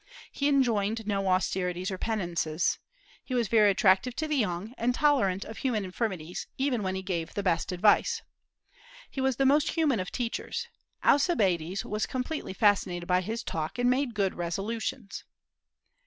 He enjoined no austerities or penances. He was very attractive to the young, and tolerant of human infirmities, even when he gave the best advice. He was the most human of teachers. Alcibiades was completely fascinated by his talk, and made good resolutions.